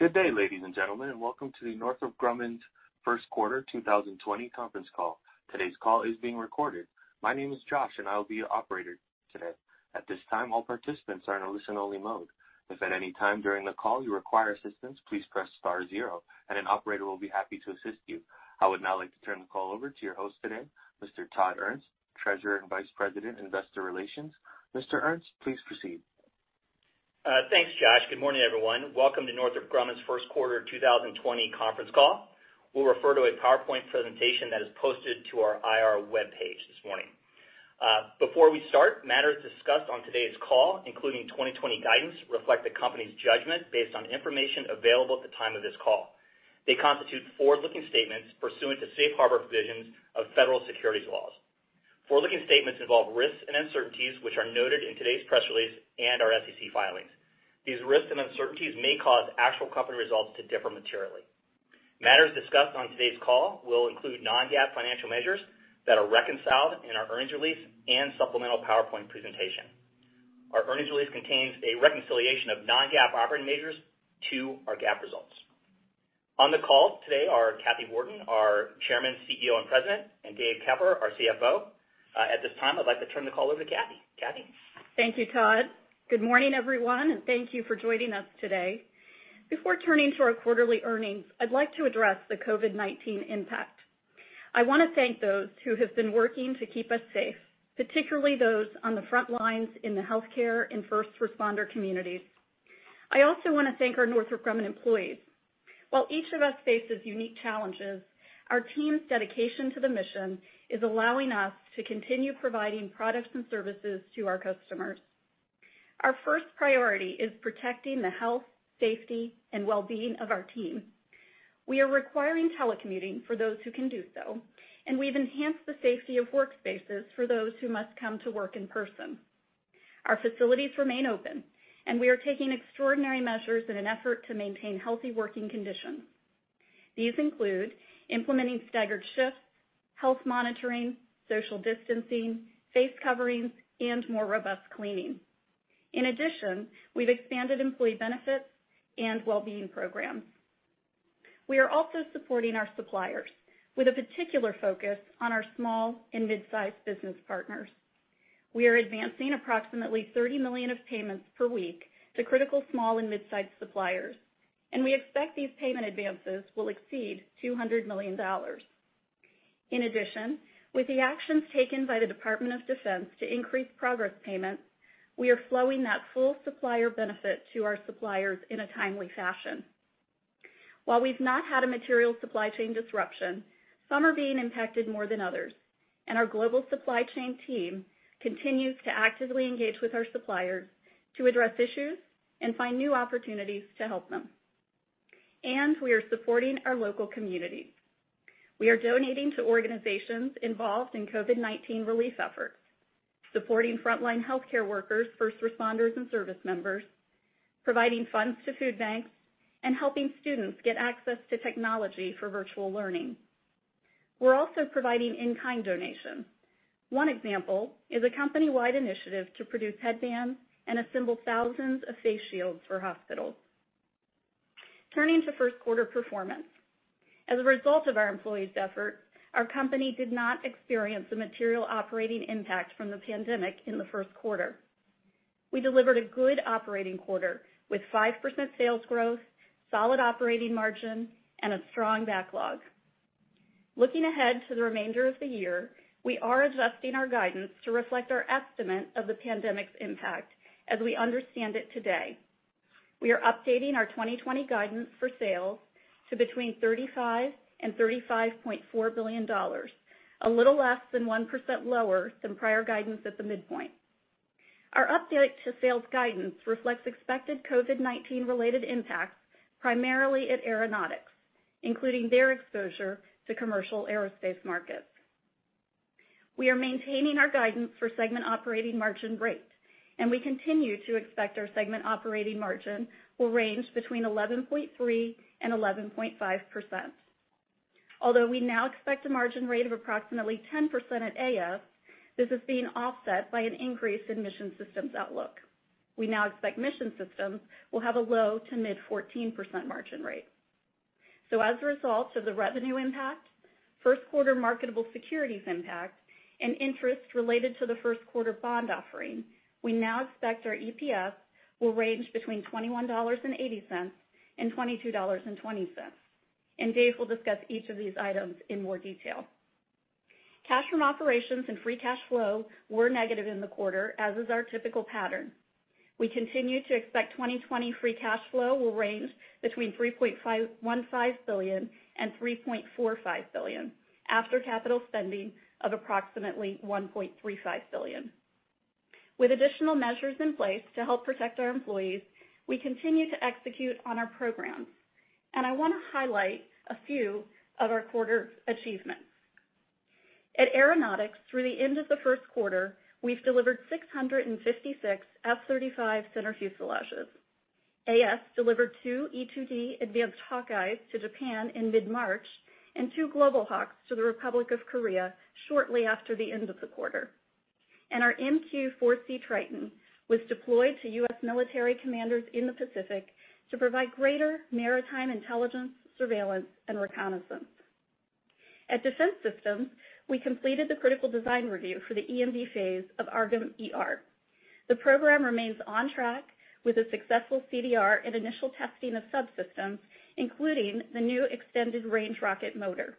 Good day, ladies and gentlemen, welcome to the Northrop Grumman's First Quarter 2020 Conference Call. Today's call is being recorded. My name is Josh and I'll be your operator today. At this time, all participants are in a listen-only mode. If at any time during the call you require assistance, please press star zero and an operator will be happy to assist you. I would now like to turn the call over to your host today, Mr. Todd Ernst, Treasurer and Vice President, Investor Relations. Mr. Ernst, please proceed. Thanks, Josh. Good morning, everyone. Welcome to Northrop Grumman's first quarter 2020 conference call. We'll refer to a PowerPoint presentation that is posted to our IR webpage this morning. Before we start, matters discussed on today's call, including 2020 guidance, reflect the company's judgment based on information available at the time of this call. They constitute forward-looking statements pursuant to Safe Harbor provisions of federal securities laws. Forward-looking statements involve risks and uncertainties, which are noted in today's press release and our SEC filings. These risks and uncertainties may cause actual company results to differ materially. Matters discussed on today's call will include non-GAAP financial measures that are reconciled in our earnings release and supplemental PowerPoint presentation. Our earnings release contains a reconciliation of non-GAAP operating measures to our GAAP results. On the call today are Kathy Warden, our Chairman, CEO, and President, and Dave Keffer, our CFO. At this time, I'd like to turn the call over to Kathy. Kathy? Thank you, Todd. Good morning, everyone, and thank you for joining us today. Before turning to our quarterly earnings, I'd like to address the COVID-19 impact. I want to thank those who have been working to keep us safe, particularly those on the front lines in the healthcare and first responder communities. I also want to thank our Northrop Grumman employees. While each of us faces unique challenges, our team's dedication to the mission is allowing us to continue providing products and services to our customers. Our first priority is protecting the health, safety, and well-being of our team. We are requiring telecommuting for those who can do so, and we've enhanced the safety of workspaces for those who must come to work in person. Our facilities remain open, and we are taking extraordinary measures in an effort to maintain healthy working conditions. These include implementing staggered shifts, health monitoring, social distancing, face coverings, and more robust cleaning. In addition, we've expanded employee benefits and well-being programs. We are also supporting our suppliers with a particular focus on our small and mid-sized business partners. We are advancing approximately $30 million of payments per week to critical small and mid-sized suppliers, and we expect these payment advances will exceed $200 million. In addition, with the actions taken by the Department of Defense to increase progress payments, we are flowing that full supplier benefit to our suppliers in a timely fashion. While we've not had a material supply chain disruption, some are being impacted more than others, and our global supply chain team continues to actively engage with our suppliers to address issues and find new opportunities to help them. We are supporting our local communities. We are donating to organizations involved in COVID-19 relief efforts, supporting frontline healthcare workers, first responders, and service members, providing funds to food banks, and helping students get access to technology for virtual learning. We're also providing in-kind donations. One example is a company-wide initiative to produce headbands and assemble thousands of face shields for hospitals. Turning to first quarter performance. As a result of our employees' effort, our company did not experience a material operating impact from the pandemic in the first quarter. We delivered a good operating quarter with 5% sales growth, solid operating margin, and a strong backlog. Looking ahead to the remainder of the year, we are adjusting our guidance to reflect our estimate of the pandemic's impact as we understand it today. We are updating our 2020 guidance for sales to between $35 billion and $35.4 billion, a little less than 1% lower than prior guidance at the midpoint. Our update to sales guidance reflects expected COVID-19 related impacts primarily at Aeronautics, including their exposure to commercial aerospace markets. We are maintaining our guidance for segment operating margin rates. We continue to expect our segment operating margin will range between 11.3% and 11.5%. Although we now expect a margin rate of approximately 10% at AS, this is being offset by an increase in Mission Systems outlook. We now expect Mission Systems will have a low to mid 14% margin rate. As a result of the revenue impact, first-quarter marketable securities impact, and interest related to the first-quarter bond offering, we now expect our EPS will range between $21.80 and $22.20. Dave will discuss each of these items in more detail. Cash from operations and free cash flow were negative in the quarter, as is our typical pattern. We continue to expect 2020 free cash flow will range between $3.15 billion and $3.45 billion after capital spending of approximately $1.35 billion. With additional measures in place to help protect our employees, we continue to execute on our programs. I want to highlight a few of our quarter's achievements. At Aeronautics, through the end of the first quarter, we've delivered 656 F-35 center fuselages. AS delivered two E-2D Advanced Hawkeyes to Japan in mid-March and two Global Hawks to the Republic of Korea shortly after the end of the quarter. Our MQ-4C Triton was deployed to U.S. military commanders in the Pacific to provide greater maritime intelligence, surveillance, and reconnaissance. At Defense Systems, we completed the critical design review for the EMD phase of AARGM-ER. The program remains on track with a successful CDR and initial testing of subsystems, including the new extended range rocket motor.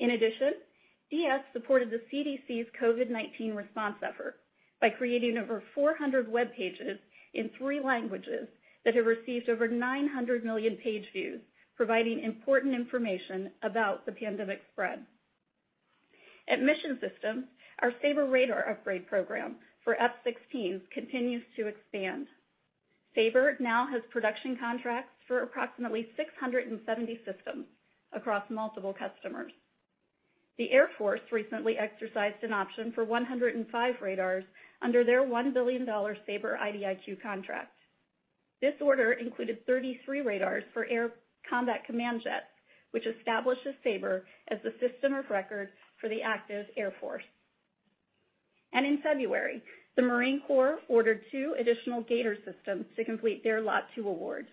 DS supported the CDC's COVID-19 response effort by creating over 400 web pages in three languages that have received over 900 million page views, providing important information about the pandemic spread. At Mission Systems, our SABR radar upgrade program for F-16s continues to expand. SABR now has production contracts for approximately 670 systems across multiple customers. The Air Force recently exercised an option for 105 radars under their $1 billion SABR IDIQ contract. This order included 33 radars for air combat command jets, which establishes SABR as the system of record for the active Air Force. In February, the Marine Corps ordered two additional G/ATOR systems to complete their lot two award.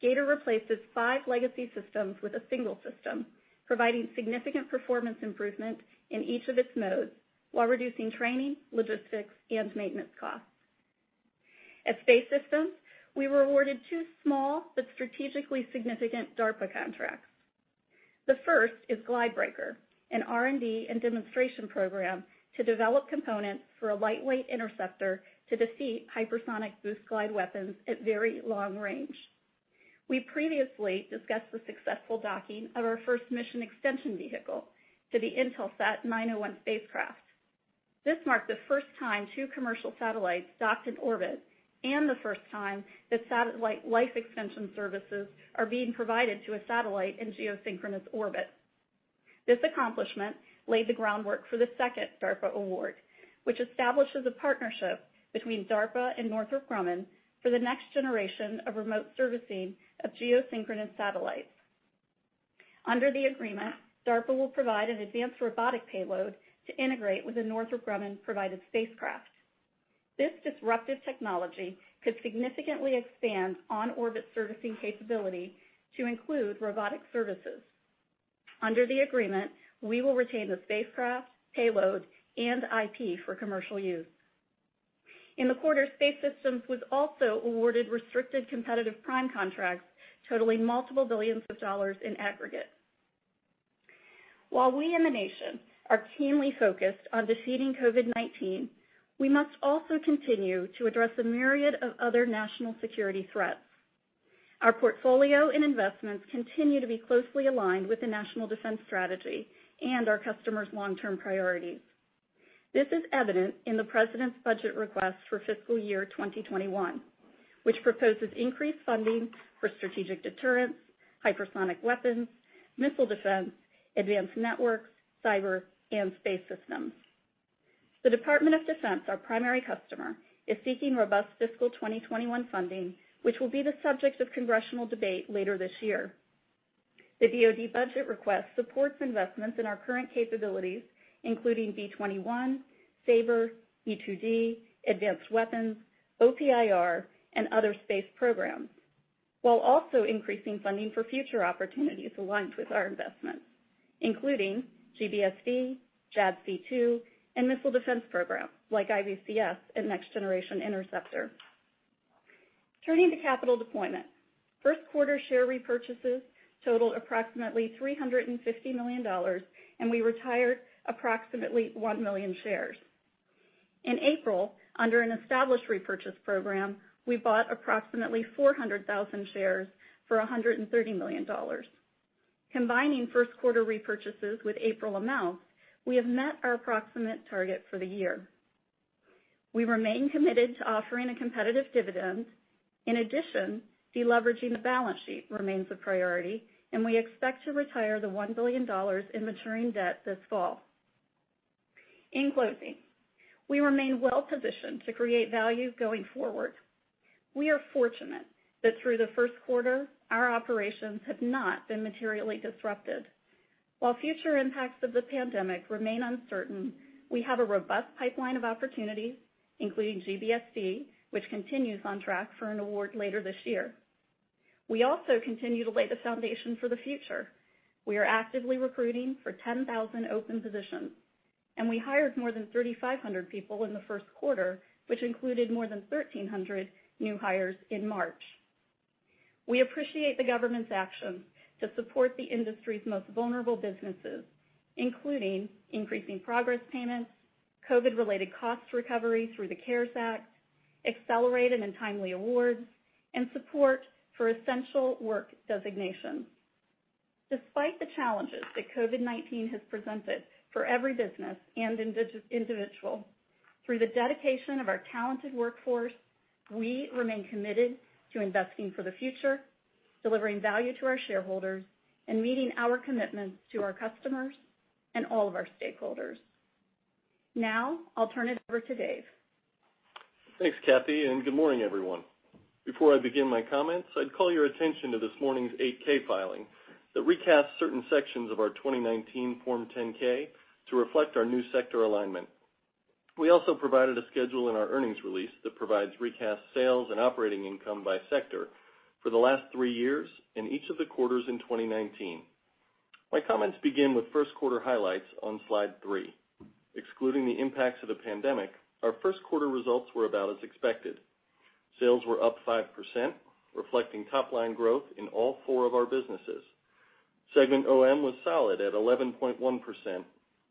G/ATOR replaces five legacy systems with a single system, providing significant performance improvement in each of its modes while reducing training, logistics, and maintenance costs. At Space Systems, we were awarded two small but strategically significant DARPA contracts. The first is Glide Breaker, an R&D and demonstration program to develop components for a lightweight interceptor to defeat hypersonic boost glide weapons at very long range. We previously discussed the successful docking of our first Mission Extension Vehicle to the Intelsat 901 spacecraft. This marked the first time two commercial satellites docked in orbit and the first time that satellite life extension services are being provided to a satellite in geosynchronous orbit. This accomplishment laid the groundwork for the second DARPA award, which establishes a partnership between DARPA and Northrop Grumman for the next generation of remote servicing of geosynchronous satellites. Under the agreement, DARPA will provide an advanced robotic payload to integrate with a Northrop Grumman-provided spacecraft. This disruptive technology could significantly expand on-orbit servicing capability to include robotic services. Under the agreement, we will retain the spacecraft, payload, and IP for commercial use. In the quarter, Space Systems was also awarded restricted competitive prime contracts totaling multiple billions of dollars in aggregate. While we and the nation are keenly focused on defeating COVID-19, we must also continue to address a myriad of other national security threats. Our portfolio and investments continue to be closely aligned with the National Defense Strategy and our customers' long-term priorities. This is evident in the president's budget request for fiscal year 2021, which proposes increased funding for strategic deterrence, hypersonic weapons, missile defense, advanced networks, cyber, and space systems. The Department of Defense, our primary customer, is seeking robust fiscal 2021 funding, which will be the subject of congressional debate later this year. The DoD budget request supports investments in our current capabilities, including B-21, SABR, E-2D, advanced weapons, OPIR, and other space programs, while also increasing funding for future opportunities aligned with our investments, including GBSD, JADC2, and missile defense programs like IBCS and Next Generation Interceptor. Turning to capital deployment. First quarter share repurchases totaled approximately $350 million, and we retired approximately one million shares. In April, under an established repurchase program, we bought approximately 400,000 shares for $130 million. Combining first quarter repurchases with April amounts, we have met our approximate target for the year. We remain committed to offering a competitive dividend. In addition, deleveraging the balance sheet remains a priority, and we expect to retire the $1 billion in maturing debt this fall. In closing, we remain well-positioned to create value going forward. We are fortunate that through the first quarter, our operations have not been materially disrupted. While future impacts of the pandemic remain uncertain, we have a robust pipeline of opportunities, including GBSD, which continues on track for an award later this year. We also continue to lay the foundation for the future. We are actively recruiting for 10,000 open positions, and we hired more than 3,500 people in the first quarter, which included more than 1,300 new hires in March. We appreciate the government's actions to support the industry's most vulnerable businesses, including increasing progress payments, COVID-related cost recovery through the CARES Act, accelerated and timely awards, and support for essential work designations. Despite the challenges that COVID-19 has presented for every business and individual, through the dedication of our talented workforce, we remain committed to investing for the future, delivering value to our shareholders, and meeting our commitments to our customers and all of our stakeholders. I'll turn it over to Dave. Thanks, Kathy, and good morning, everyone. Before I begin my comments, I'd call your attention to this morning's 8-K filing that recasts certain sections of our 2019 Form 10-K to reflect our new sector alignment. We also provided a schedule in our earnings release that provides recast sales and operating income by sector for the last three years in each of the quarters in 2019. My comments begin with first quarter highlights on slide three. Excluding the impacts of the pandemic, our first quarter results were about as expected. Sales were up 5%, reflecting top-line growth in all four of our businesses. Segment OM was solid at 11.1%,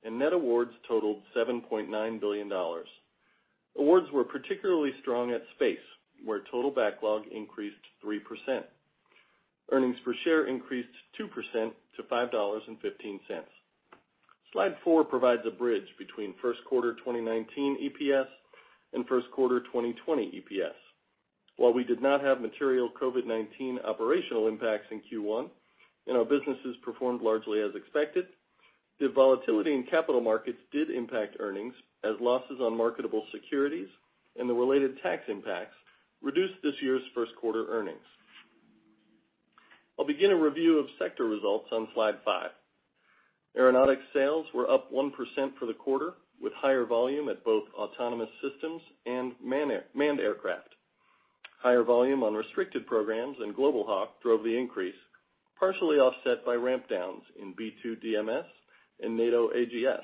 and net awards totaled $7.9 billion. Awards were particularly strong at Space, where total backlog increased 3%. Earnings per share increased 2% to $5.15. slide Four provides a bridge between first quarter 2019 EPS and first quarter 2020 EPS. While we did not have material COVID-19 operational impacts in Q1 and our businesses performed largely as expected, the volatility in capital markets did impact earnings as losses on marketable securities and the related tax impacts reduced this year's first quarter earnings. I'll begin a review of sector results on slide five. Aeronautics sales were up 1% for the quarter, with higher volume at both autonomous systems and manned aircraft. Higher volume on restricted programs and Global Hawk drove the increase, partially offset by ramp downs in B2 DMS and NATO AGS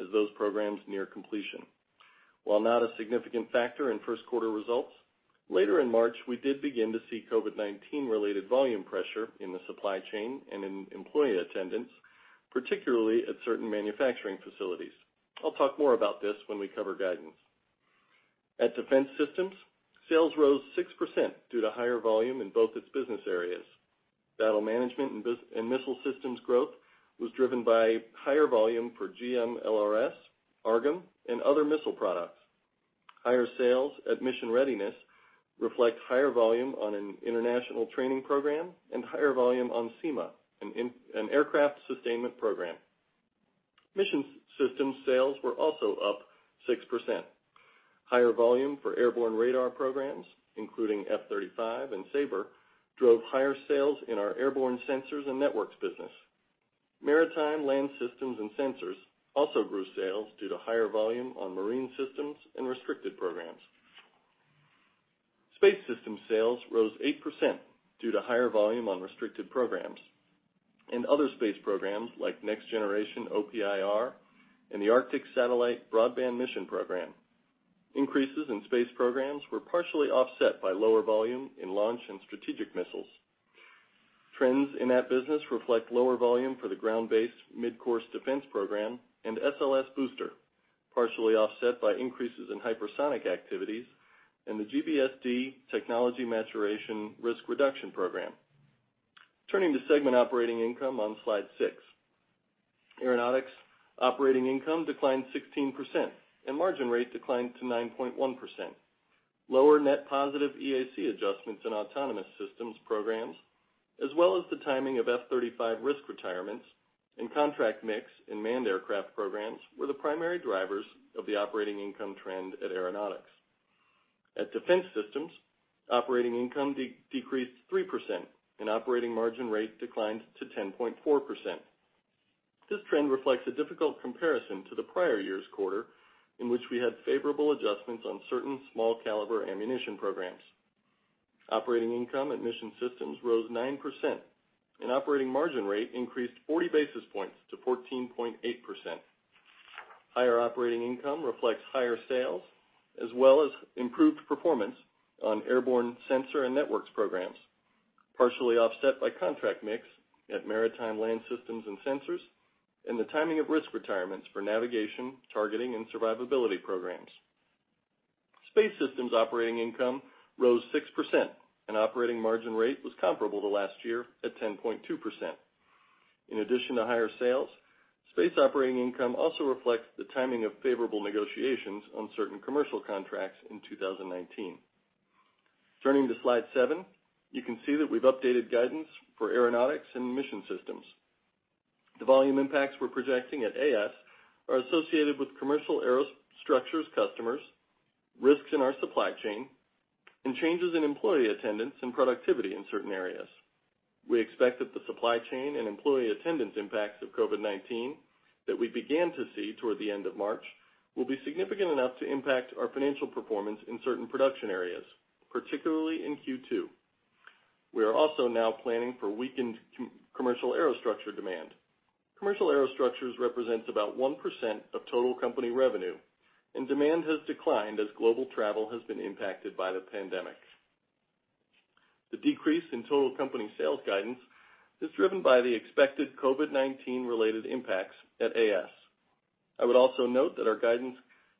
as those programs near completion. While not a significant factor in first quarter results, later in March, we did begin to see COVID-19 related volume pressure in the supply chain and in employee attendance, particularly at certain manufacturing facilities. I'll talk more about this when we cover guidance. At Defense Systems, sales rose 6% due to higher volume in both its business areas. Battle Management and Missile Systems growth was driven by higher volume for GMLRS, AARGM, and other missile products. Higher sales at Mission Readiness reflect higher volume on an international training program and higher volume on CEMA, an aircraft sustainment program. Mission Systems sales were also up 6%. Higher volume for airborne radar programs, including F-35 and SABR, drove higher sales in our airborne sensors and networks business. Maritime Land Systems and Sensors also grew sales due to higher volume on marine systems and restricted programs. Space Systems sales rose 8% due to higher volume on restricted programs and other space programs like next generation OPIR and the Arctic Satellite Broadband Mission program. Increases in space programs were partially offset by lower volume in launch and strategic missiles. Trends in that business reflect lower volume for the Ground-based Midcourse Defense program and SLS booster, partially offset by increases in hypersonic activities and the GBSD technology maturation risk reduction program. Turning to segment operating income on slide six. Aeronautics operating income declined 16%, and margin rate declined to 9.1%. Lower net positive EAC adjustments in autonomous systems programs, as well as the timing of F-35 risk retirements and contract mix in manned aircraft programs, were the primary drivers of the operating income trend at Aeronautics. At Defense Systems, operating income decreased 3%, and operating margin rate declined to 10.4%. This trend reflects a difficult comparison to the prior year's quarter, in which we had favorable adjustments on certain small caliber ammunition programs. Operating income at Mission Systems rose 9%, and operating margin rate increased 40 basis points to 14.8%. Higher operating income reflects higher sales as well as improved performance on airborne sensor and networks programs, partially offset by contract mix at maritime land systems and sensors and the timing of risk retirements for navigation, targeting, and survivability programs. Space Systems operating income rose 6%, and operating margin rate was comparable to last year at 10.2%. In addition to higher sales, space operating income also reflects the timing of favorable negotiations on certain commercial contracts in 2019. Turning to slide seven, you can see that we've updated guidance for Aeronautics and Mission Systems. The volume impacts we're projecting at AS are associated with commercial aerostructures customers, risks in our supply chain, and changes in employee attendance and productivity in certain areas. We expect that the supply chain and employee attendance impacts of COVID-19 that we began to see toward the end of March will be significant enough to impact our financial performance in certain production areas, particularly in Q2. We are also now planning for weakened commercial aerostructure demand. Commercial aerostructures represents about 1% of total company revenue, and demand has declined as global travel has been impacted by the pandemic. The decrease in total company sales guidance is driven by the expected COVID-19 related impacts at AS. I would also note that our guidance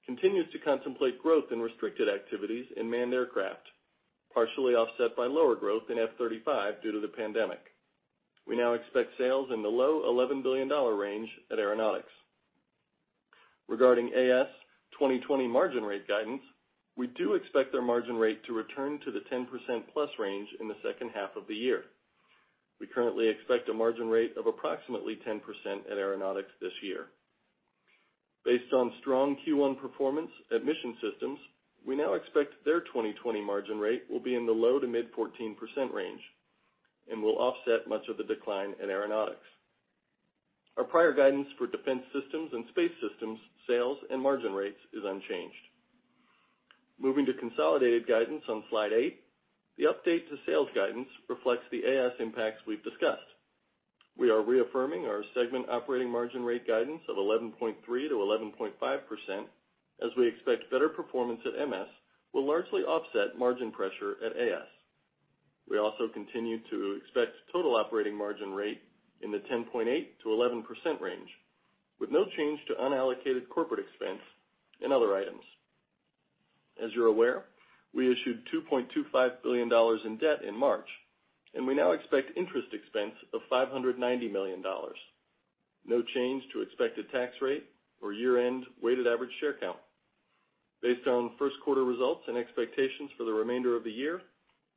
continues to contemplate growth in restricted activities in manned aircraft, partially offset by lower growth in F-35 due to the pandemic. We now expect sales in the low $11 billion range at Aeronautics. Regarding AS 2020 margin rate guidance, we do expect their margin rate to return to the 10% plus range in the second half of the year. We currently expect a margin rate of approximately 10% at Aeronautics this year. Based on strong Q1 performance at Mission Systems, we now expect their 2020 margin rate will be in the low to mid 14% range and will offset much of the decline in Aeronautics. Our prior guidance for Defense Systems and Space Systems sales and margin rates is unchanged. Moving to consolidated guidance on slide eight, the update to sales guidance reflects the AS impacts we've discussed. We are reaffirming our segment operating margin rate guidance of 11.3%-11.5%, as we expect better performance at MS will largely offset margin pressure at AS. We also continue to expect total operating margin rate in the 10.8%-11% range, with no change to unallocated corporate expense and other items. As you're aware, we issued $2.25 billion in debt in March, and we now expect interest expense of $590 million. No change to expected tax rate or year-end weighted average share count. Based on first quarter results and expectations for the remainder of the year,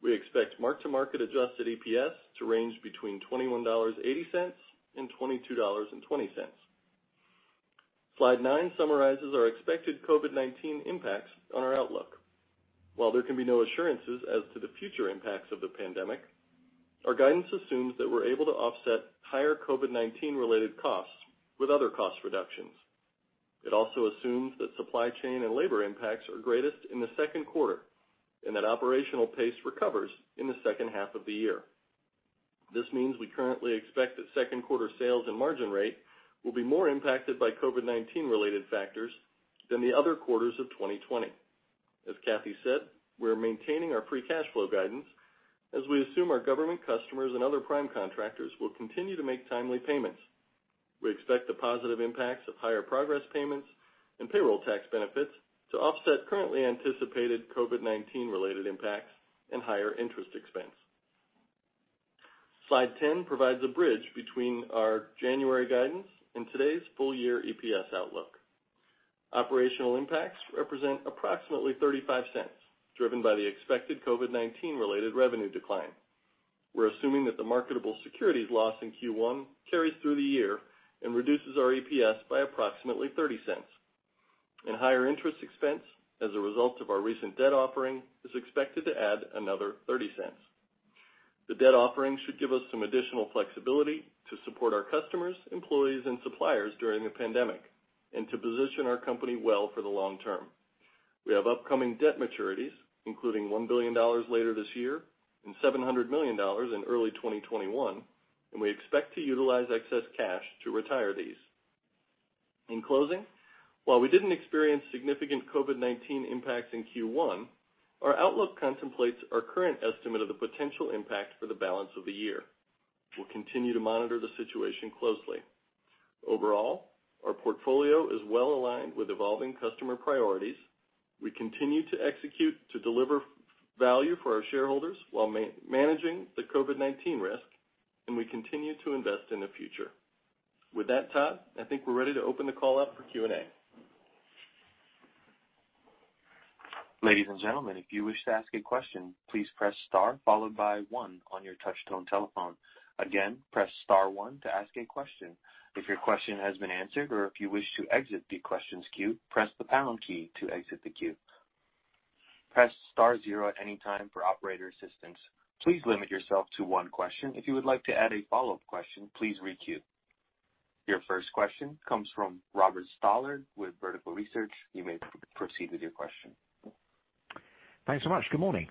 we expect mark-to-market adjusted EPS to range between $21.80 and $22.20. Slide nine summarizes our expected COVID-19 impacts on our outlook. While there can be no assurances as to the future impacts of the pandemic, our guidance assumes that we're able to offset higher COVID-19-related costs with other cost reductions. It also assumes that supply chain and labor impacts are greatest in the second quarter, and that operational pace recovers in the second half of the year. This means we currently expect that second quarter sales and margin rate will be more impacted by COVID-19-related factors than the other quarters of 2020. As Kathy said, we're maintaining our free cash flow guidance as we assume our government customers and other prime contractors will continue to make timely payments. We expect the positive impacts of higher progress payments and payroll tax benefits to offset currently anticipated COVID-19-related impacts and higher interest expense. Slide 10 provides a bridge between our January guidance and today's full-year EPS outlook. Operational impacts represent approximately $0.35, driven by the expected COVID-19-related revenue decline. We're assuming that the marketable securities loss in Q1 carries through the year and reduces our EPS by approximately $0.30. Higher interest expense, as a result of our recent debt offering, is expected to add another $0.30. The debt offering should give us some additional flexibility to support our customers, employees, and suppliers during the pandemic and to position our company well for the long term. We have upcoming debt maturities, including $1 billion later this year and $700 million in early 2021. We expect to utilize excess cash to retire these. In closing, while we didn't experience significant COVID-19 impacts in Q1, our outlook contemplates our current estimate of the potential impact for the balance of the year. We'll continue to monitor the situation closely. Overall, our portfolio is well-aligned with evolving customer priorities. We continue to execute to deliver value for our shareholders while managing the COVID-19 risk, and we continue to invest in the future. With that, Todd, I think we're ready to open the call up for Q&A. Ladies and gentlemen, if you wish to ask a question, please press star followed by one on your touch tone telephone. Again, press star one to ask a question. If your question has been answered or if you wish to exit the questions queue, press the pound key to exit the queue. Press star zero at any time for operator assistance. Please limit yourself to one question. If you would like to add a follow-up question, please re-queue. Your first question comes from Robert Stallard with Vertical Research. You may proceed with your question. Thanks so much. Good morning.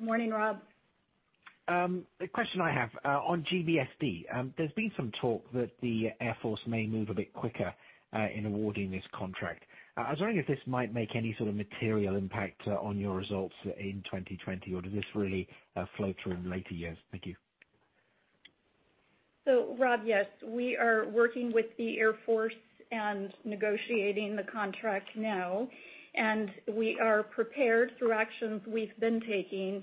Morning, Rob. The question I have, on GBSD, there's been some talk that the Air Force may move a bit quicker in awarding this contract. I was wondering if this might make any sort of material impact on your results in 2020, or does this really flow through in later years? Thank you. Rob, yes, we are working with the Air Force and negotiating the contract now, and we are prepared through actions we've been taking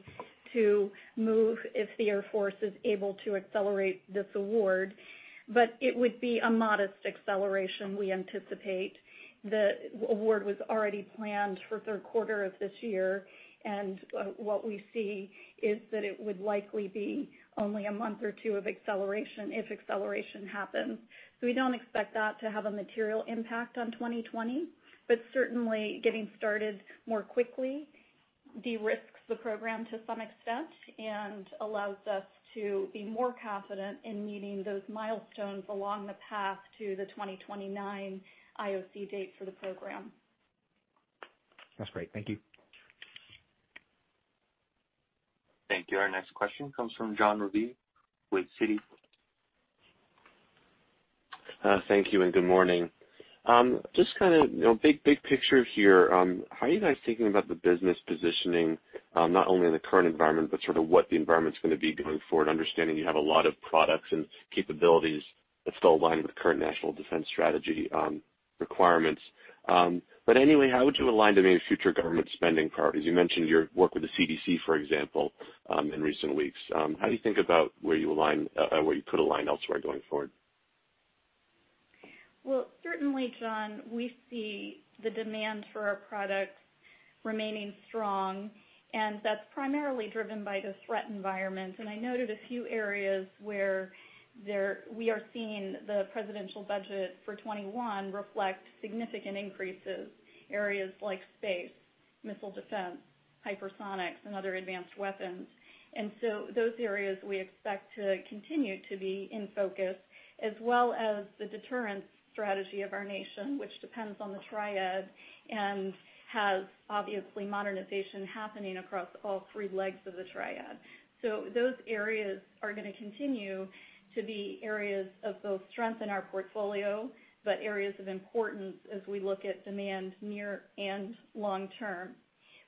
to move if the Air Force is able to accelerate this award. It would be a modest acceleration, we anticipate. The award was already planned for third quarter of this year, and what we see is that it would likely be only a month or two of acceleration if acceleration happens. We don't expect that to have a material impact on 2020, but certainly getting started more quickly de-risks the program to some extent and allows us to be more confident in meeting those milestones along the path to the 2029 IOC date for the program. That's great. Thank you. Thank you. Our next question comes from Jon Raviv with Citi. Thank you and good morning. Just kind of big picture here. How are you guys thinking about the business positioning, not only in the current environment, but sort of what the environment's going to be going forward, understanding you have a lot of products and capabilities that still align with the current National Defense Strategy requirements. But anyway, how would you align to any future government spending priorities? You mentioned your work with the CDC, for example, in recent weeks. How do you think about where you could align elsewhere going forward? Well, certainly, Jon, we see the demand for our products remaining strong. That's primarily driven by the threat environment. I noted a few areas where we are seeing the Presidential Budget for 2021 reflect significant increases, areas like space, missile defense, hypersonics, and other advanced weapons. Those areas we expect to continue to be in focus as well as the deterrence strategy of our nation, which depends on the triad and has, obviously, modernization happening across all three legs of the triad. Those areas are going to continue to be areas of both strength in our portfolio, but areas of importance as we look at demand near and long-term.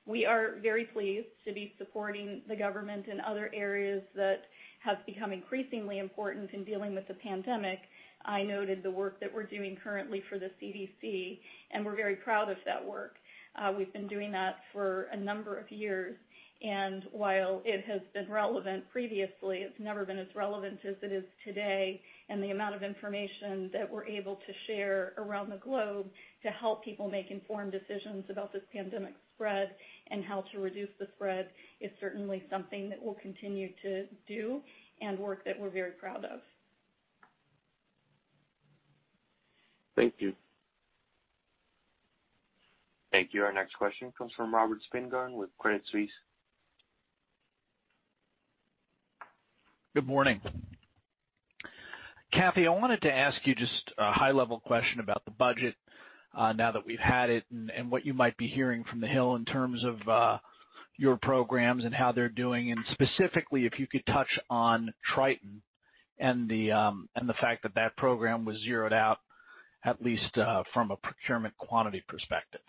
We are very pleased to be supporting the government in other areas that have become increasingly important in dealing with the pandemic. I noted the work that we're doing currently for the CDC, and we're very proud of that work. We've been doing that for a number of years, and while it has been relevant previously, it's never been as relevant as it is today, and the amount of information that we're able to share around the globe to help people make informed decisions about this pandemic spread and how to reduce the spread is certainly something that we'll continue to do and work that we're very proud of. Thank you. Thank you. Our next question comes from Robert Spingarn with Credit Suisse. Good morning. Kathy, I wanted to ask you just a high-level question about the budget, now that we've had it and what you might be hearing from the Hill in terms of your programs and how they're doing, and specifically, if you could touch on Triton and the fact that that program was zeroed out, at least, from a procurement quantity perspective.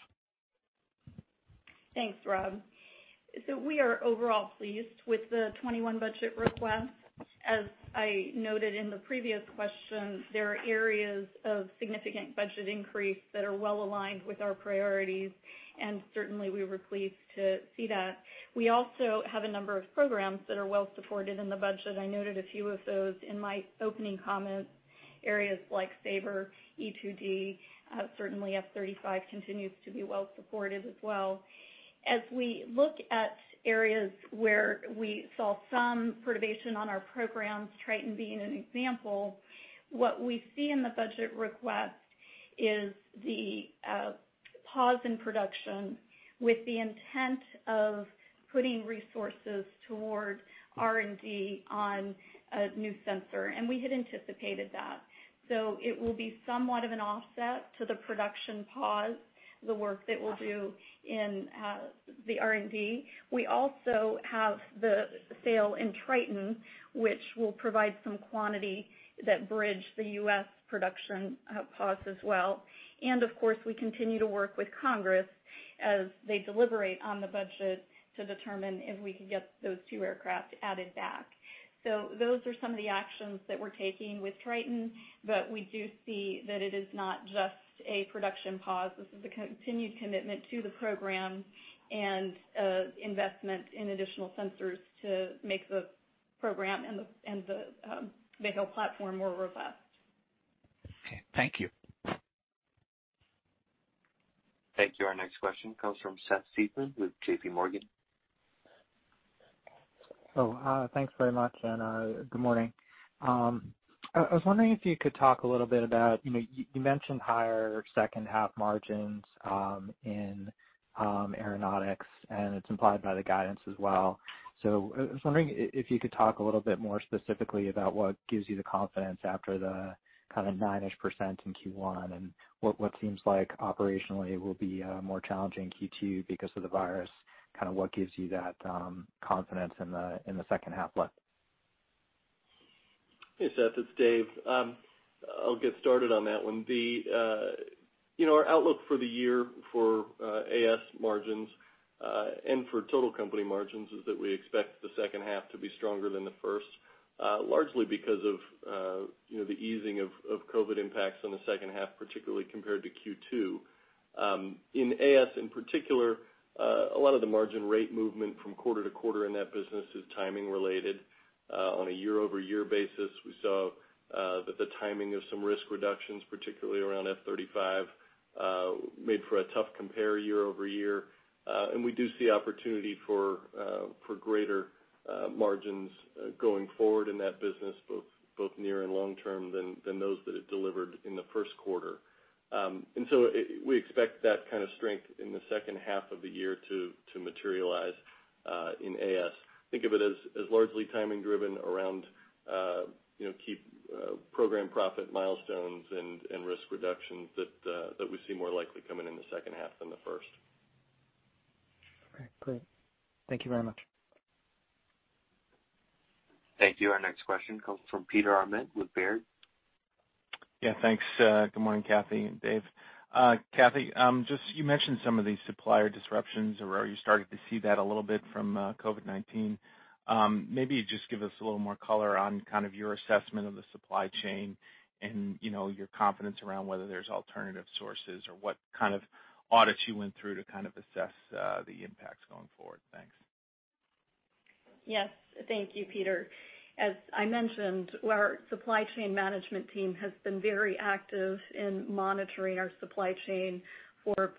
Thanks, Rob. We are overall pleased with the 2021 budget request. As I noted in the previous question, there are areas of significant budget increase that are well-aligned with our priorities, and certainly, we were pleased to see that. We also have a number of programs that are well-supported in the budget. I noted a few of those in my opening comments, areas like SABR, E-2D, certainly F-35 continues to be well-supported as well. As we look at areas where we saw some perturbation on our programs, Triton being an example, what we see in the budget request is the pause in production with the intent of putting resources toward R&D on a new sensor, and we had anticipated that. It will be somewhat of an offset to the production pause, the work that we'll do in the R&D. We also have the sale in Triton, which will provide some quantity that bridge the U.S. production pause as well. Of course, we continue to work with Congress as they deliberate on the budget to determine if we could get those two aircraft added back. Those are some of the actions that we're taking with Triton, but we do see that it is not just a production pause. This is a continued commitment to the program and investment in additional sensors to make the program and the platform more robust. Okay. Thank you. Thank you. Our next question comes from Seth Seifman with JPMorgan. Oh, hi. Thanks very much and good morning. I was wondering if you could talk a little bit about, you mentioned higher second half margins in Aeronautics. It's implied by the guidance as well. I was wondering if you could talk a little bit more specifically about what gives you the confidence after the kind of nine-ish percent in Q1 and what seems like operationally will be a more challenging Q2 because of the virus, kind of what gives you that confidence in the second half look. Hey, Seth, it's Dave. I'll get started on that one. Our outlook for the year for AS margins, and for total company margins, is that we expect the second half to be stronger than the first, largely because of the easing of COVID impacts on the second half, particularly compared to Q2. In AS, in particular, a lot of the margin rate movement from quarter-to-quarter in that business is timing related. On a year-over-year basis, we saw that the timing of some risk reductions, particularly around F-35 made for a tough compare year-over-year. We do see opportunity for greater margins going forward in that business, both near and long-term than those that it delivered in the first quarter. We expect that kind of strength in the second half of the year to materialize in AS. Think of it as largely timing driven around key program profit milestones and risk reductions that we see more likely coming in the second half than the first. All right, great. Thank you very much. Thank you. Our next question comes from Peter Arment with Baird. Yeah, thanks. Good morning, Kathy and Dave. Kathy, you mentioned some of these supplier disruptions where you started to see that a little bit from COVID-19. Maybe just give us a little more color on kind of your assessment of the supply chain and your confidence around whether there's alternative sources or what kind of audits you went through to kind of assess the impacts going forward. Thanks. Yes. Thank you, Peter. As I mentioned, our supply chain management team has been very active in monitoring our supply chain for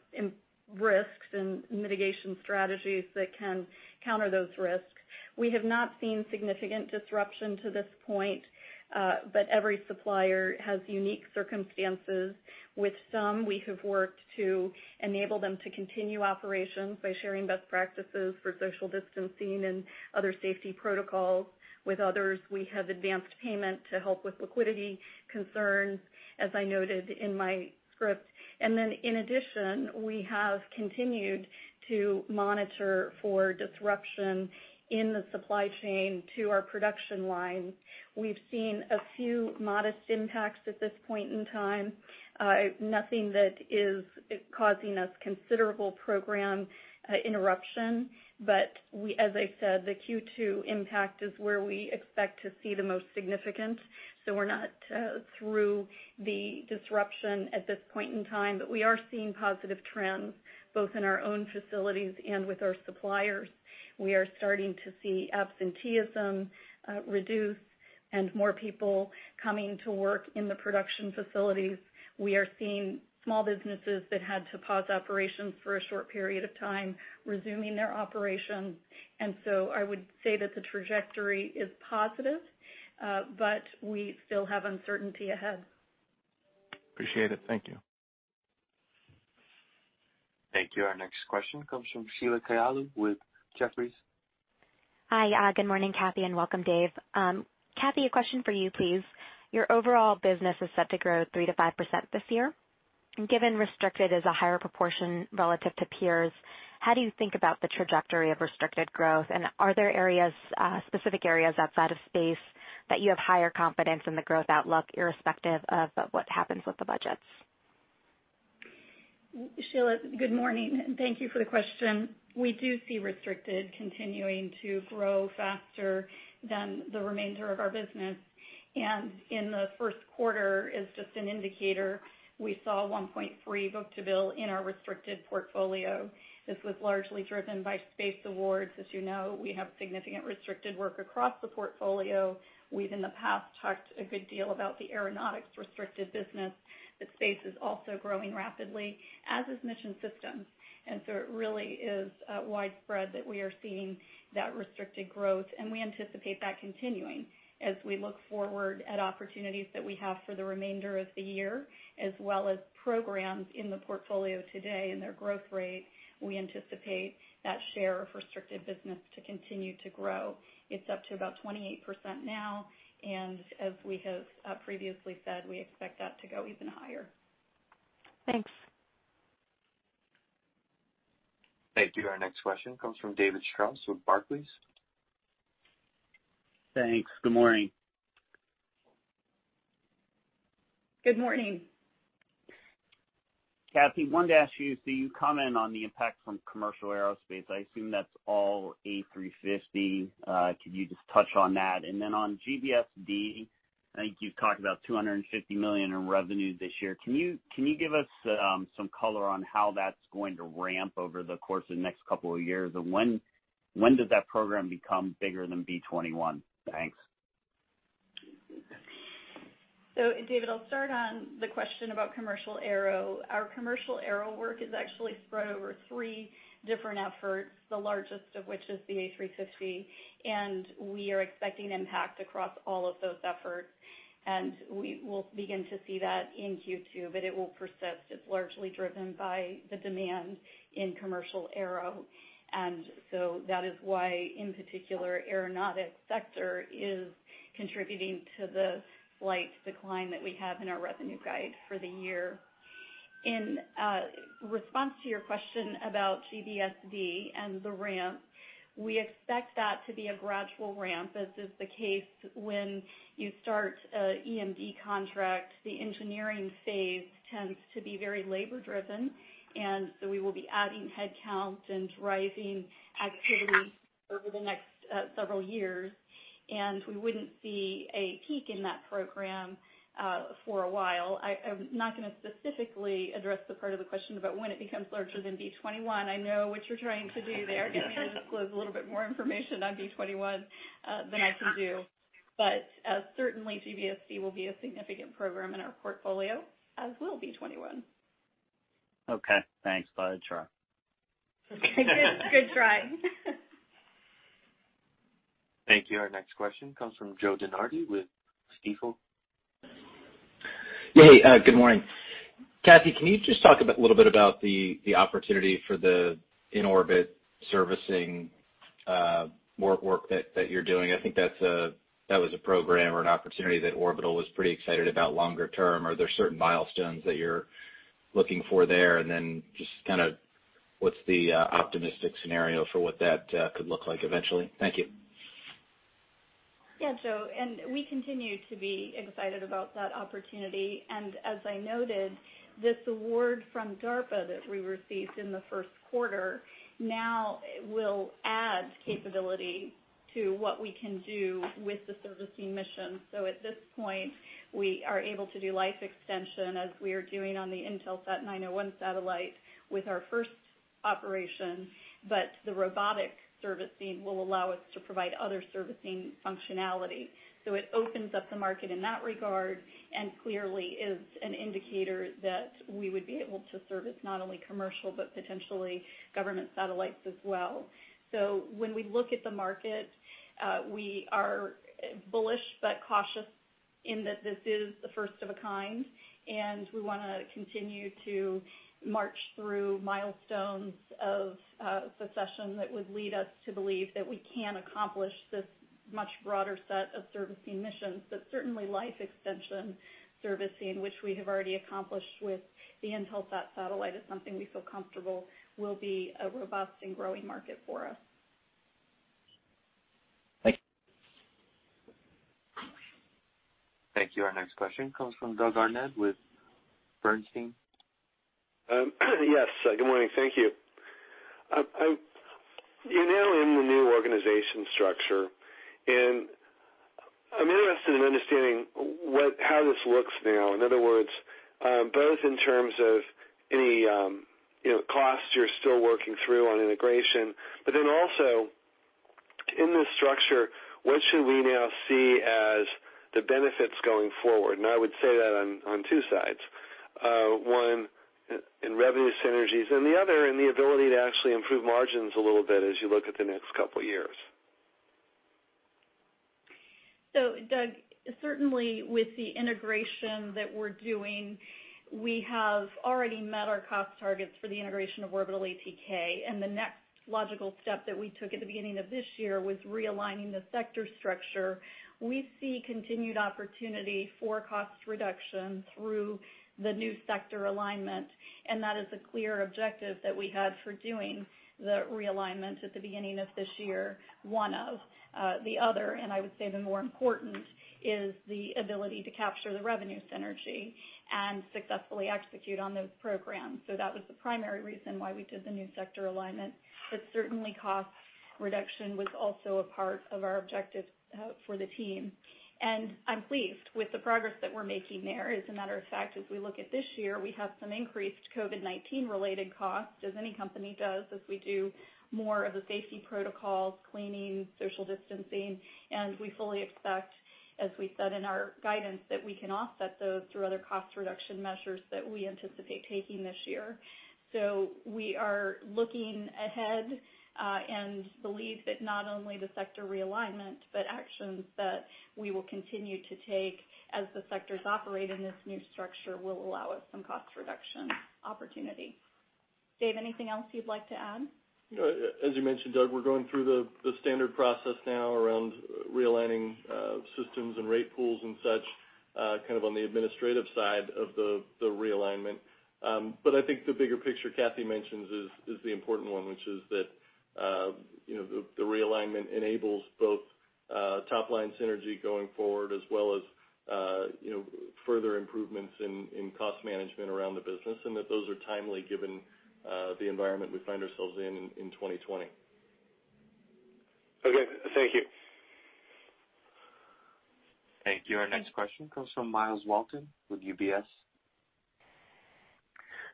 risks and mitigation strategies that can counter those risks. We have not seen significant disruption to this point, but every supplier has unique circumstances. With some, we have worked to enable them to continue operations by sharing best practices for social distancing and other safety protocols. With others, we have advanced payment to help with liquidity concerns, as I noted in my script. In addition, we have continued to monitor for disruption in the supply chain to our production line. We've seen a few modest impacts at this point in time. Nothing that is causing us considerable program interruption. As I said, the Q2 impact is where we expect to see the most significant, so we're not through the disruption at this point in time. We are seeing positive trends, both in our own facilities and with our suppliers. We are starting to see absenteeism reduce and more people coming to work in the production facilities. We are seeing small businesses that had to pause operations for a short period of time resuming their operations. I would say that the trajectory is positive, but we still have uncertainty ahead. Appreciate it. Thank you. Thank you. Our next question comes from Sheila Kahyaoglu with Jefferies. Hi. Good morning, Kathy, and welcome, Dave. Kathy, a question for you, please. Your overall business is set to grow 3%-5% this year. Given restricted is a higher proportion relative to peers, how do you think about the trajectory of restricted growth, are there specific areas outside of space that you have higher confidence in the growth outlook, irrespective of what happens with the budgets? Sheila, good morning. Thank you for the question. We do see restricted continuing to grow faster than the remainder of our business. In the first quarter, as just an indicator, we saw 1.3 book-to-bill in our restricted portfolio. This was largely driven by space awards. As you know, we have significant restricted work across the portfolio. We've, in the past, talked a good deal about the Aeronautics restricted business, but space is also growing rapidly, as is Mission Systems. It really is widespread that we are seeing that restricted growth, and we anticipate that continuing as we look forward at opportunities that we have for the remainder of the year, as well as programs in the portfolio today and their growth rate. We anticipate that share of restricted business to continue to grow. It's up to about 28% now, and as we have previously said, we expect that to go even higher. Thanks. Thank you. Our next question comes from David Strauss with Barclays. Thanks. Good morning. Good morning. Kathy, wanted to ask you comment on the impact from commercial aerospace. I assume that's all A350. Could you just touch on that? Then on GBSD, I think you've talked about $250 million in revenue this year. Can you give us some color on how that's going to ramp over the course of the next couple of years? When does that program become bigger than B-21? Thanks. David, I'll start on the question about commercial aero. Our commercial aero work is actually spread over three different efforts, the largest of which is the A350, and we are expecting impact across all of those efforts. We will begin to see that in Q2, but it will persist. It's largely driven by the demand in commercial aero. That is why, in particular, aeronautics sector is contributing to the slight decline that we have in our revenue guide for the year. In response to your question about GBSD and the ramp, we expect that to be a gradual ramp, as is the case when you start an EMD contract. The engineering phase tends to be very labor-driven, and so we will be adding headcounts and rising activity over the next several years. We wouldn't see a peak in that program for a while. I'm not going to specifically address the part of the question about when it becomes larger than B-21. I know what you're trying to do there. Get me to disclose a little bit more information on B-21 than I can do. Certainly GBSD will be a significant program in our portfolio, as will B-21. Okay. Thanks. Thought I'd try. Good trying. Thank you. Our next question comes from Joe DeNardi with Stifel. Yeah. Hey, good morning. Kathy, can you just talk a little bit about the opportunity for the in-orbit servicing work that you're doing? I think that was a program or an opportunity that Orbital was pretty excited about longer term. Are there certain milestones that you're looking for there, and then just kind of what's the optimistic scenario for what that could look like eventually? Thank you. Yeah, Joe, we continue to be excited about that opportunity. As I noted, this award from DARPA that we received in the first quarter now will add capability to what we can do with the servicing mission. At this point, we are able to do life extension as we are doing on the Intelsat 901 satellite with our first operation, but the robotic servicing will allow us to provide other servicing functionality. It opens up the market in that regard, and clearly is an indicator that we would be able to service not only commercial, but potentially government satellites as well. When we look at the market, we are bullish but cautious in that this is the first of a kind, and we want to continue to march through milestones of succession that would lead us to believe that we can accomplish this much broader set of servicing missions. Certainly life extension servicing, which we have already accomplished with the Intelsat satellite, is something we feel comfortable will be a robust and growing market for us. Thank you. Thank you. Our next question comes from Doug Harned with Bernstein. Yes. Good morning. Thank you. You're now in the new organization structure, and I'm interested in understanding how this looks now. In other words, both in terms of any costs you're still working through on integration, but then also in this structure, what should we now see as the benefits going forward? I would say that on two sides. One, in revenue synergies, and the other in the ability to actually improve margins a little bit as you look at the next couple of years. Doug, certainly with the integration that we're doing, we have already met our cost targets for the integration of Orbital ATK, and the next logical step that we took at the beginning of this year was realigning the sector structure. We see continued opportunity for cost reduction through the new sector alignment, and that is a clear objective that we had for doing the realignment at the beginning of this year. One of the other, and I would say the more important, is the ability to capture the revenue synergy and successfully execute on those programs. That was the primary reason why we did the new sector alignment. Certainly cost reduction was also a part of our objective for the team. I'm pleased with the progress that we're making there. As a matter of fact, as we look at this year, we have some increased COVID-19-related costs, as any company does, as we do more of the safety protocols, cleaning, social distancing. We fully expect, as we said in our guidance, that we can offset those through other cost-reduction measures that we anticipate taking this year. We are looking ahead, and believe that not only the sector realignment, but actions that we will continue to take as the sectors operate in this new structure will allow us some cost reduction opportunity. Dave, anything else you'd like to add? As you mentioned, Doug, we're going through the standard process now around realigning systems and rate pools and such kind of on the administrative side of the realignment. I think the bigger picture Kathy mentions is the important one, which is that the realignment enables both top-line synergy going forward as well as further improvements in cost management around the business, and that those are timely given the environment we find ourselves in in 2020. Okay. Thank you. Thank you. Our next question comes from Myles Walton with UBS.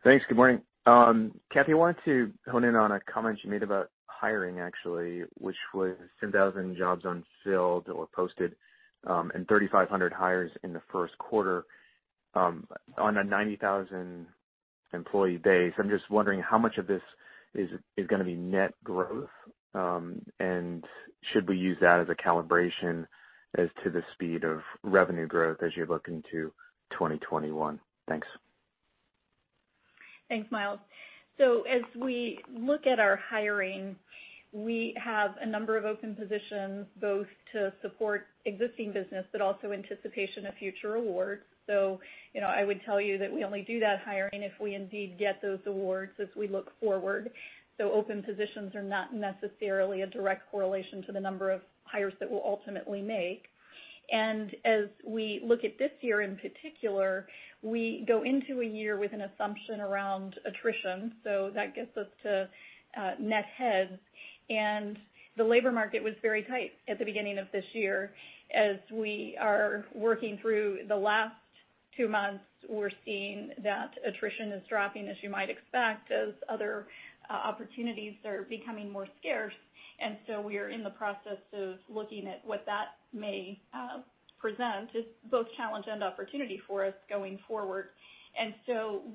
Thanks. Good morning. Kathy, I wanted to hone in on a comment you made about hiring, actually, which was 10,000 jobs unfilled or posted, and 3,500 hires in the first quarter. On a 90,000-employee base, I'm just wondering how much of this is going to be net growth, and should we use that as a calibration as to the speed of revenue growth as you look into 2021? Thanks. Thanks, Myles. As we look at our hiring, we have a number of open positions, both to support existing business, but also anticipation of future awards. I would tell you that we only do that hiring if we indeed get those awards as we look forward. Open positions are not necessarily a direct correlation to the number of hires that we'll ultimately make. As we look at this year in particular, we go into a year with an assumption around attrition, so that gets us to net heads. The labor market was very tight at the beginning of this year. As we are working through the last two months, we're seeing that attrition is dropping, as you might expect, as other opportunities are becoming more scarce. We are in the process of looking at what that may present as both challenge and opportunity for us going forward.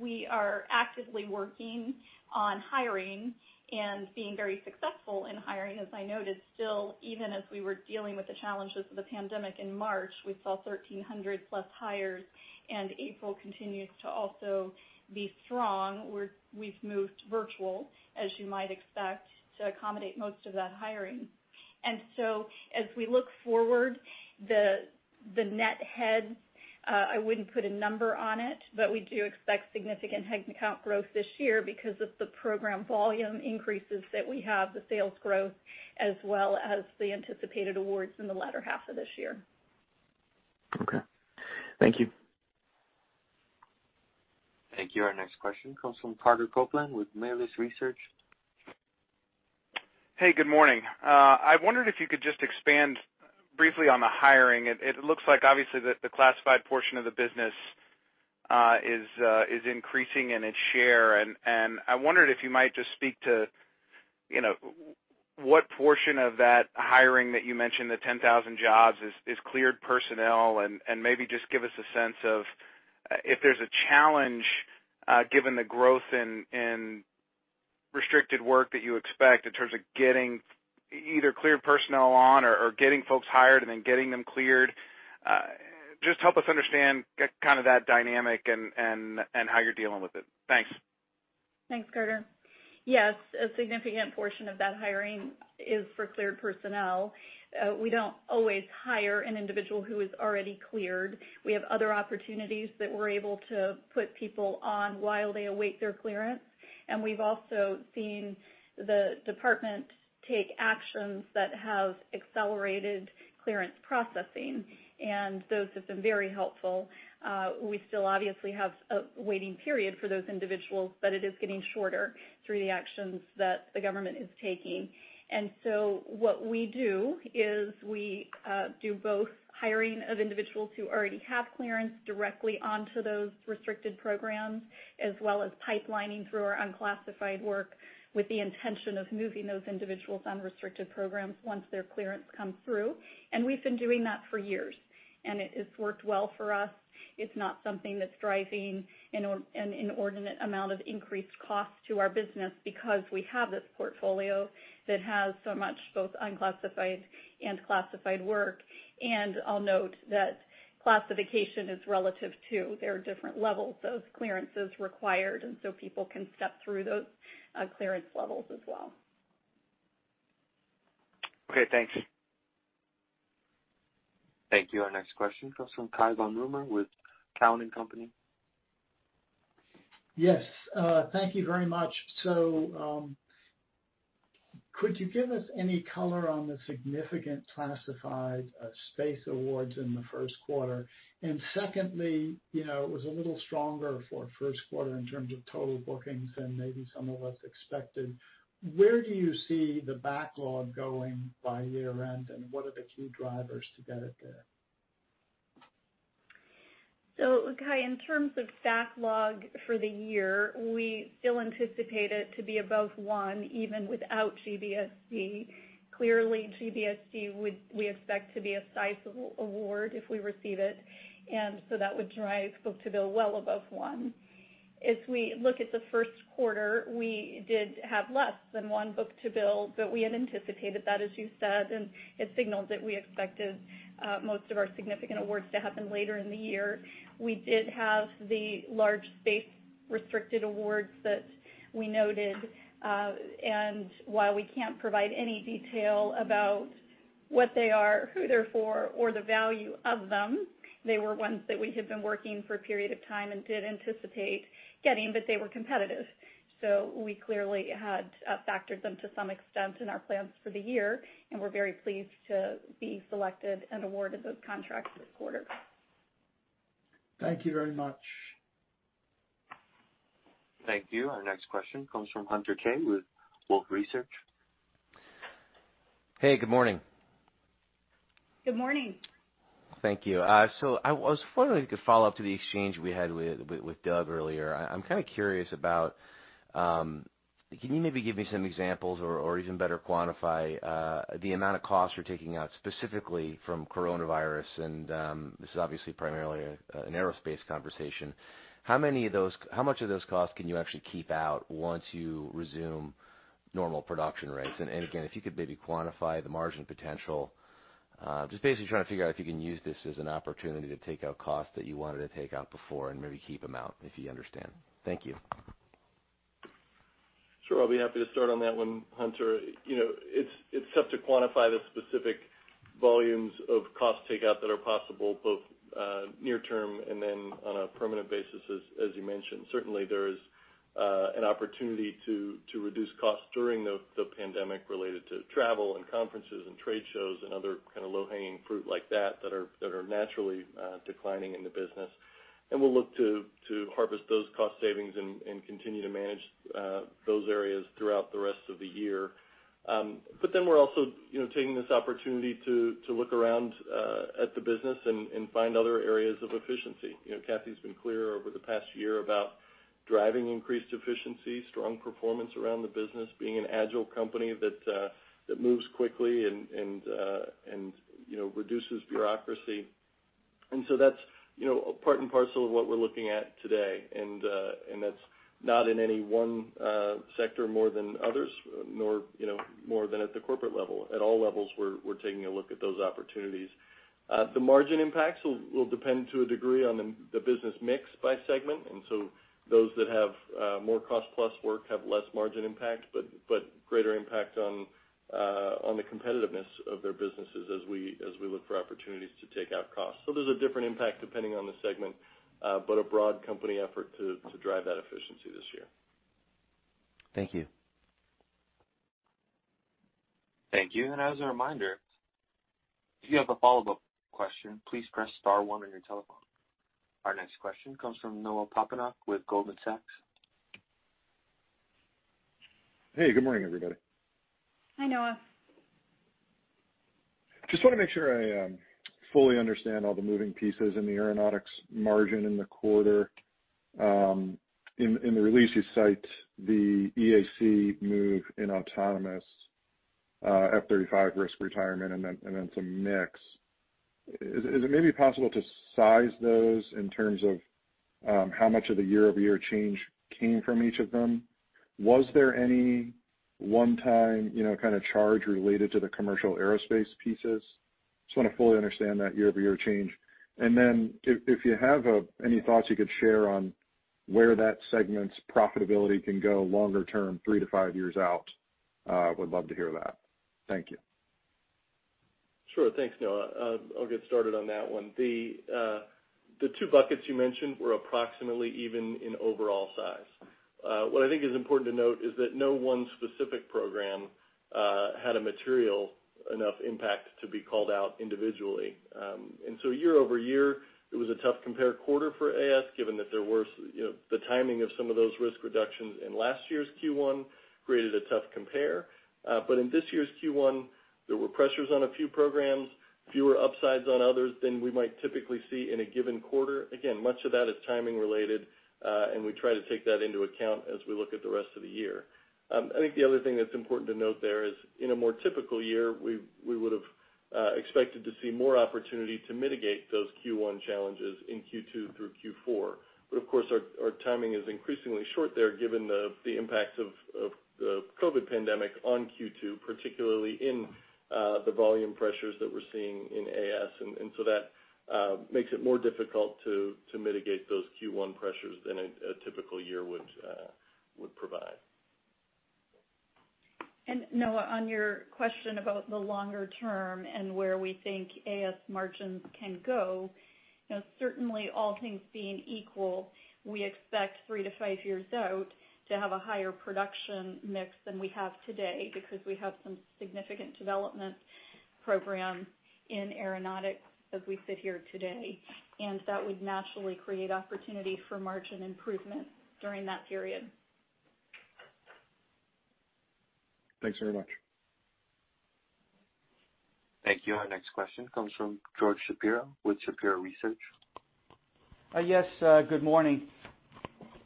We are actively working on hiring and being very successful in hiring, as I noted. Still, even as we were dealing with the challenges of the pandemic in March, we saw 1,300-plus hires, and April continues to also be strong. We've moved virtual, as you might expect, to accommodate most of that hiring. As we look forward, the net head, I wouldn't put a number on it, but we do expect significant head count growth this year because of the program volume increases that we have, the sales growth, as well as the anticipated awards in the latter half of this year. Okay. Thank you. Thank you. Our next question comes from Carter Copeland with Melius Research. Hey, good morning. I wondered if you could just expand briefly on the hiring. It looks like obviously that the classified portion of the business is increasing in its share, and I wondered if you might just speak to what portion of that hiring that you mentioned, the 10,000 jobs, is cleared personnel and maybe just give us a sense of if there's a challenge, given the growth in restricted work that you expect in terms of getting either cleared personnel on or getting folks hired and then getting them cleared. Just help us understand kind of that dynamic and how you're dealing with it. Thanks. Thanks, Carter. A significant portion of that hiring is for cleared personnel. We don't always hire an individual who is already cleared. We have other opportunities that we're able to put people on while they await their clearance, and we've also seen the department take actions that have accelerated clearance processing, and those have been very helpful. We still obviously have a waiting period for those individuals, but it is getting shorter through the actions that the government is taking. What we do is we do both hiring of individuals who already have clearance directly onto those restricted programs, as well as pipelining through our unclassified work with the intention of moving those individuals on restricted programs once their clearance comes through. We've been doing that for years, and it has worked well for us. It's not something that's driving an inordinate amount of increased cost to our business because we have this portfolio that has so much, both unclassified and classified work. I'll note that classification is relative too. There are different levels of clearances required. People can step through those clearance levels as well. Okay, thanks. Thank you. Our next question comes from Cai von Rumohr with Cowen and Company. Yes. Thank you very much. Could you give us any color on the significant classified space awards in the first quarter? Secondly, it was a little stronger for first quarter in terms of total bookings than maybe some of us expected. Where do you see the backlog going by year-end, and what are the key drivers to get it there? Cai, in terms of backlog for the year, we still anticipate it to be above one, even without GBSD. Clearly, GBSD we expect to be a sizable award if we receive it, that would drive book-to-bill well above one. As we look at the first quarter, we did have less than one book-to-bill, we had anticipated that, as you said, it signaled that we expected most of our significant awards to happen later in the year. We did have the large base restricted awards that we noted. While we can't provide any detail about what they are, who they're for, or the value of them, they were ones that we had been working for a period of time and did anticipate getting, but they were competitive. We clearly had factored them to some extent in our plans for the year, and we're very pleased to be selected and awarded those contracts this quarter. Thank you very much. Thank you. Our next question comes from Hunter Keay with Wolfe Research. Hey, good morning. Good morning. Thank you. I was following a good follow-up to the exchange we had with Doug earlier. I'm kind of curious about, can you maybe give me some examples or even better quantify the amount of costs you're taking out specifically from coronavirus? This is obviously primarily an aerospace conversation. How much of those costs can you actually keep out once you resume normal production rates? Again, if you could maybe quantify the margin potential. Just basically trying to figure out if you can use this as an opportunity to take out costs that you wanted to take out before and maybe keep them out, if you understand. Thank you. Sure. I'll be happy to start on that one, Hunter. It's tough to quantify the specific volumes of cost takeout that are possible, both near term and then on a permanent basis, as you mentioned. Certainly, there is an opportunity to reduce costs during the pandemic related to travel and conferences and trade shows and other kind of low-hanging fruit like that are naturally declining in the business. We'll look to harvest those cost savings and continue to manage those areas throughout the rest of the year. We're also taking this opportunity to look around at the business and find other areas of efficiency. Kathy's been clear over the past year about driving increased efficiency, strong performance around the business, being an agile company that moves quickly and reduces bureaucracy. That's part and parcel of what we're looking at today. That's not in any one sector more than others, nor more than at the corporate level. At all levels, we're taking a look at those opportunities. The margin impacts will depend to a degree on the business mix by segment. Those that have more cost-plus work have less margin impact, but greater impact on the competitiveness of their businesses as we look for opportunities to take out costs. There's a different impact depending on the segment, but a broad company effort to drive that efficiency this year. Thank you. Thank you. As a reminder If you have a follow-up question, please press star one on your telephone. Our next question comes from Noah Poponak with Goldman Sachs. Hey, good morning, everybody. Hi, Noah. Just want to make sure I fully understand all the moving pieces in the Aeronautics margin in the quarter. In the release, you cite the EAC move in autonomous F-35 risk retirement and then some mix. Is it maybe possible to size those in terms of how much of the year-over-year change came from each of them? Was there any one-time charge related to the commercial aerospace pieces? Just want to fully understand that year-over-year change. Then if you have any thoughts you could share on where that segment's profitability can go longer term, three to five years out, would love to hear that. Thank you. Sure. Thanks, Noah. I'll get started on that one. The two buckets you mentioned were approximately even in overall size. What I think is important to note is that no one specific program had a material enough impact to be called out individually. Year-over-year, it was a tough compare quarter for AS, given that the timing of some of those risk reductions in last year's Q1 created a tough compare. In this year's Q1, there were pressures on a few programs, fewer upsides on others than we might typically see in a given quarter. Again, much of that is timing related, and we try to take that into account as we look at the rest of the year. I think the other thing that's important to note there is in a more typical year, we would've expected to see more opportunity to mitigate those Q1 challenges in Q2 through Q4. Of course, our timing is increasingly short there given the impacts of the COVID-19 pandemic on Q2, particularly in the volume pressures that we're seeing in AS. That makes it more difficult to mitigate those Q1 pressures than a typical year would provide. Noah, on your question about the longer term and where we think AS margins can go, certainly all things being equal, we expect three to five years out to have a higher production mix than we have today because we have some significant development programs in aeronautics as we sit here today. That would naturally create opportunity for margin improvement during that period. Thanks very much. Thank you. Our next question comes from George Shapiro with Shapiro Research. Yes, good morning.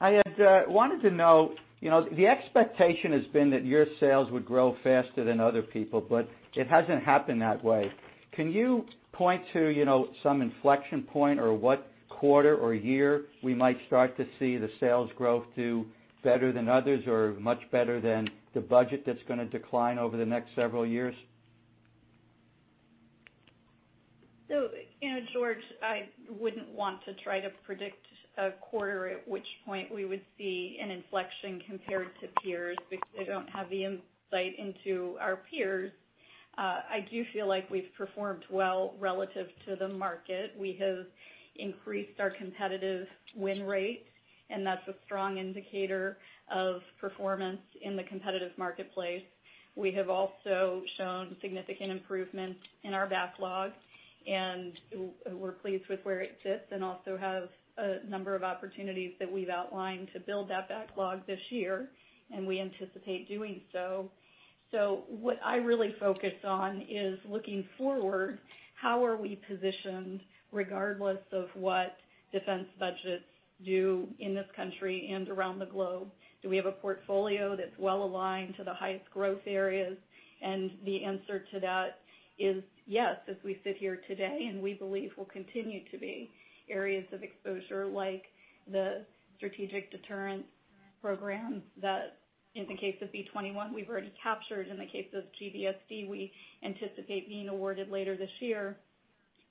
I had wanted to know, the expectation has been that your sales would grow faster than other people, but it hasn't happened that way. Can you point to some inflection point or what quarter or year we might start to see the sales growth do better than others or much better than the budget that's going to decline over the next several years? George, I wouldn't want to try to predict a quarter at which point we would see an inflection compared to peers because I don't have the insight into our peers. I do feel like we've performed well relative to the market. We have increased our competitive win rate, and that's a strong indicator of performance in the competitive marketplace. We have also shown significant improvement in our backlog, and we're pleased with where it sits and also have a number of opportunities that we've outlined to build that backlog this year, and we anticipate doing so. What I really focus on is looking forward, how are we positioned regardless of what defense budgets do in this country and around the globe? Do we have a portfolio that's well-aligned to the highest growth areas? The answer to that is yes, as we sit here today, and we believe will continue to be areas of exposure, like the strategic deterrent programs that in the case of B-21, we've already captured. In the case of GBSD, we anticipate being awarded later this year.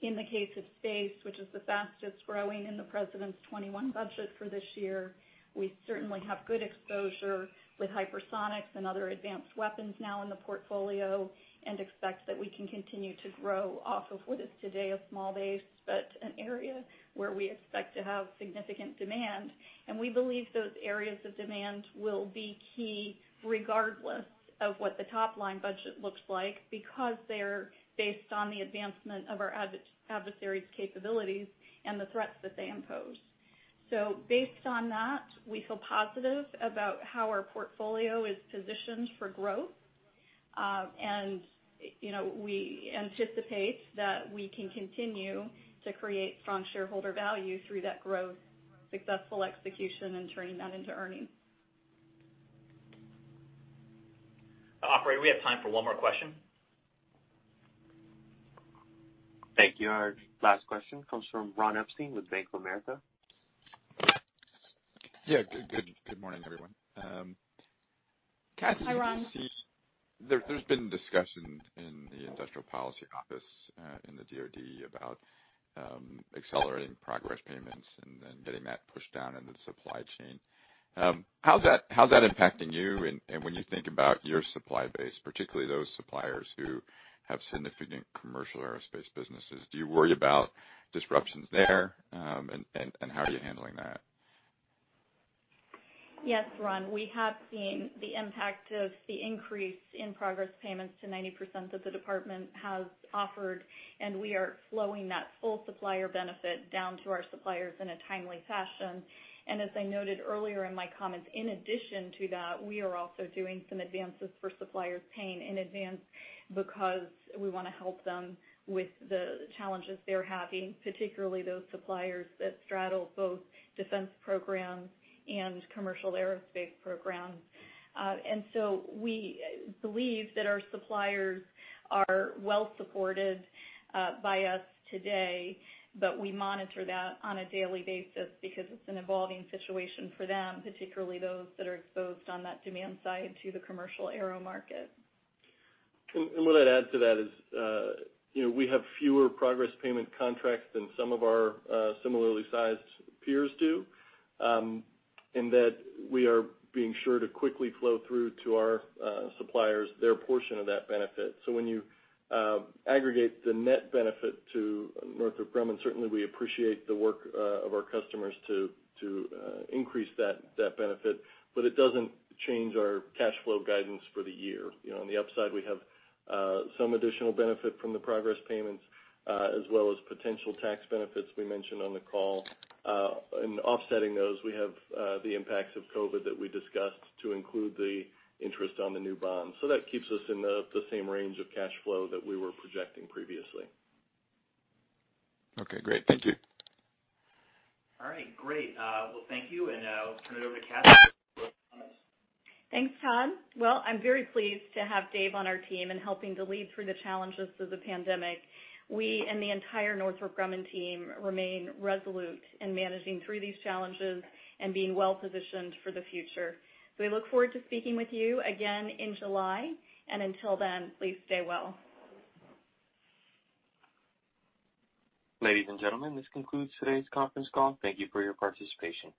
In the case of space, which is the fastest growing in the President's 2021 budget for this year, we certainly have good exposure with hypersonics and other advanced weapons now in the portfolio and expect that we can continue to grow off of what is today a small base, but an area where we expect to have significant demand. We believe those areas of demand will be key regardless of what the top-line budget looks like because they're based on the advancement of our adversaries' capabilities and the threats that they impose. Based on that, we feel positive about how our portfolio is positioned for growth. We anticipate that we can continue to create strong shareholder value through that growth, successful execution, and turning that into earnings. Operator, we have time for one more question. Thank you. Our last question comes from Ronald Epstein with Bank of America. Yeah. Good morning, everyone. Hi, Ron. Kathy, you see there's been discussion in the Industrial Policy Office, in the DOD about accelerating progress payments, getting that pushed down into the supply chain. How's that impacting you? When you think about your supply base, particularly those suppliers who have significant commercial aerospace businesses, do you worry about disruptions there? How are you handling that? Yes, Ron, we have seen the impact of the increase in progress payments to 90% that the Department has offered. We are flowing that full supplier benefit down to our suppliers in a timely fashion. As I noted earlier in my comments, in addition to that, we are also doing some advances for suppliers paying in advance because we want to help them with the challenges they're having, particularly those suppliers that straddle both defense programs and commercial aerospace programs. We believe that our suppliers are well supported by us today, but we monitor that on a daily basis because it's an evolving situation for them, particularly those that are exposed on that demand side to the commercial aero market. What I'd add to that is, we have fewer progress payment contracts than some of our similarly sized peers do, in that we are being sure to quickly flow through to our suppliers their portion of that benefit. When you aggregate the net benefit to Northrop Grumman, certainly we appreciate the work of our customers to increase that benefit, but it doesn't change our cash flow guidance for the year. On the upside, we have some additional benefit from the progress payments, as well as potential tax benefits we mentioned on the call. In offsetting those, we have the impacts of COVID that we discussed to include the interest on the new bonds. That keeps us in the same range of cash flow that we were projecting previously. Okay, great. Thank you. All right, great. Well, thank you. I'll turn it over to Kathy for closing comments. Thanks, Todd. Well, I'm very pleased to have Dave on our team and helping to lead through the challenges of the pandemic. We and the entire Northrop Grumman team remain resolute in managing through these challenges and being well-positioned for the future. We look forward to speaking with you again in July, and until then, please stay well. Ladies and gentlemen, this concludes today's conference call. Thank you for your participation.